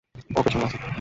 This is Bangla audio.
ও পেছনে আছে।